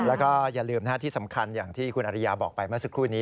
แล้วก็อย่าลืมที่สำคัญอย่างที่คุณอริยาบอกไปเมื่อสักครู่นี้